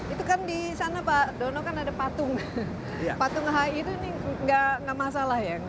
itu kan di sana pak dono kan ada patung patung hi itu ini nggak masalah ya